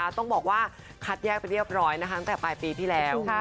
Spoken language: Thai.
ต้องบอกว่าคัดแยกไปเรียบร้อยตั้งแต่ปลายปีที่แล้ว